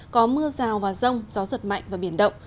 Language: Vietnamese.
có mưa rào và rông gió giật mạnh và biển động